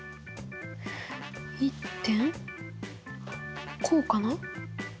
１点こうかな？